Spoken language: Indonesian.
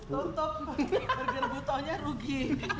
burger butohnya rugi